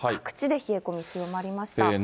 各地で冷え込み、強まりました。